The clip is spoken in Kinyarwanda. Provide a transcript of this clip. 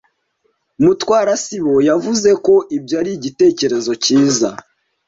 Mutwara sibo yavuze ko ibyo ari igitekerezo cyiza.